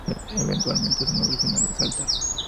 Eventualmente su nombre final es Altar.